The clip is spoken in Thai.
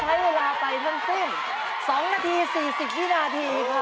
แค่ใช้เวลาไปทั้งสิ้น๒นาที๔๐นาทีครับ